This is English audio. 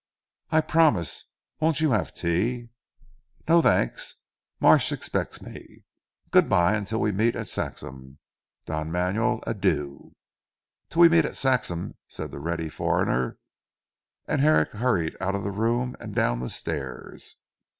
"I promise. Won't you have tea?" "No thanks; Marsh expects me. Good bye until we meet at Saxham. Don Manuel, Adieu!" "Till we meet at Saxham," said the ready foreigner, and Herrick hurried out of the room and down the stairs.